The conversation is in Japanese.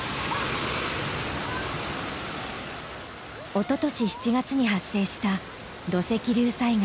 おととし７月に発生した土石流災害。